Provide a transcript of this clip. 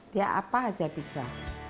dia apa aja bisa